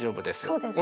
そうですね。